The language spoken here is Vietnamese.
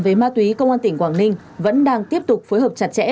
về ma túy công an tỉnh quảng ninh vẫn đang tiếp tục phối hợp chặt chẽ